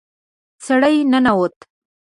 سړی ننوت.